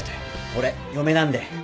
俺嫁なんで